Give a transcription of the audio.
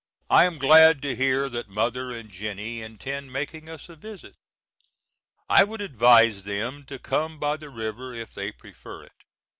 I am glad to hear that mother and Jennie intend making us a visit. I would advise them to come by the river if they prefer it.